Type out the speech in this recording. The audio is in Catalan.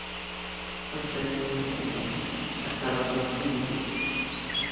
Els seients de cinema estaven ben dividits.